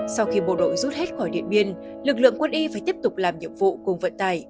sau khi bộ đội rút hết khỏi điện biên lực lượng quân y phải tiếp tục làm nhiệm vụ cùng vận tài